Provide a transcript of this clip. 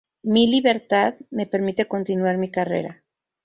Mi "libertad" me permite continuar mi carrera.